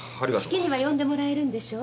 式には呼んでもらえるんでしょ？